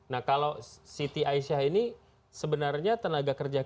nah kalau siti aisyah ini sebenarnya tenaga kerja